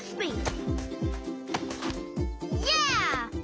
じゃあ。